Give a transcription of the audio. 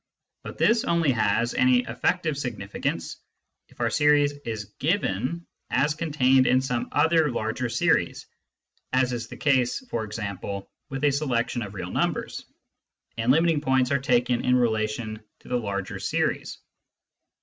But this only has any effective significance if our series is given as contained in some other larger series (as is the case, e.g., with a selection of real numbers), and limiting points are taken in relation to the larger series.